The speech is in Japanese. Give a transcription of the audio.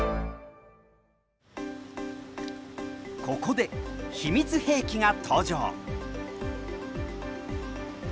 ここで秘密兵器が登場。